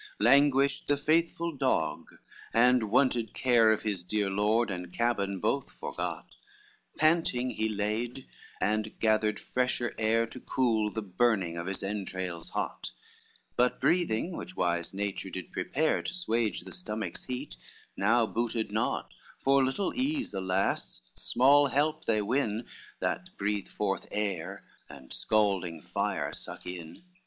LXIII Languished the faithful dog, and wonted care Of his dear lord and cabin both forgot, Panting he laid, and gathered fresher air To cool the burning in his entrails hot: But breathing, which wise nature did prepare To suage the stomach's heat, now booted not, For little ease, alas, small help, they win That breathe forth air and scalding fire suck in.